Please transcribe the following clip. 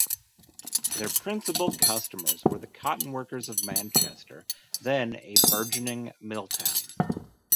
Their principal customers were the cotton workers of Manchester, then a burgeoning mill town.